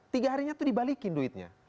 tiga harinya tuh dibalikin duitnya